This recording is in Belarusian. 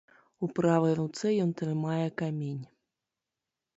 У правай руцэ ён трымае камень.